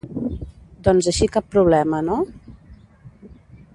Doncs així cap problema, no?